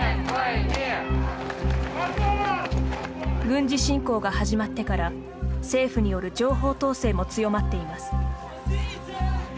軍事侵攻が始まってから政府による情報統制も強まっています。